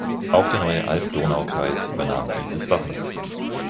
Auch der neue Alb-Donau-Kreis übernahm dieses Wappen.